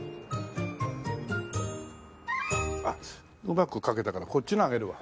うまく書けたからこっちのあげるわ。